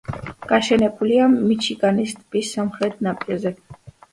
გაშენებულია მიჩიგანის ტბის სამხრეთ ნაპირზე.